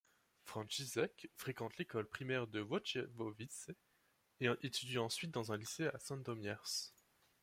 Franciszek fréquente l'école primaire de Wojciechowice, et étudie ensuite dans un lycée à Sandomierz.